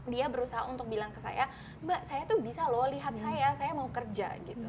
dia berusaha untuk bilang ke saya mbak saya tuh bisa loh lihat saya saya mau kerja gitu